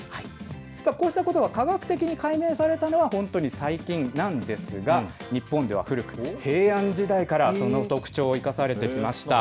こうしたことが化学的に解明されたのは本当に最近なんですが、日本では古く、平安時代からその特徴を生かされてきました。